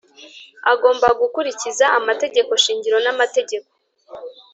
Agomba gukurikiza amategeko shingiro n’amategeko